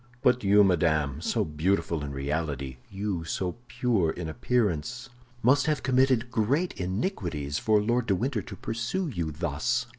But you, madame, so beautiful in reality, you, so pure in appearance, must have committed great iniquities for Lord de Winter to pursue you thus."